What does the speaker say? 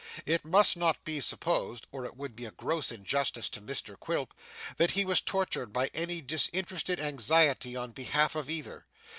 It must not be supposed (or it would be a gross injustice to Mr Quilp) that he was tortured by any disinterested anxiety on behalf of either.